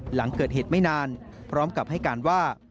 หลังเกิดเหตุไม่นานพร้อมกับให้การว่า